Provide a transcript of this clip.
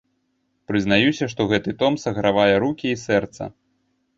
Прызнаюся, што гэты том сагравае рукі і сэрца.